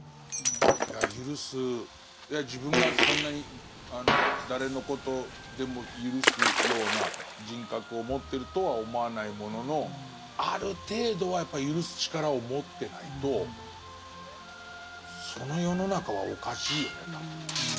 いやゆるす自分がそんなに誰のことでもゆるすような人格を持ってるとは思わないもののある程度はやっぱりゆるす力を持ってないとその世の中はおかしいよね多分ね。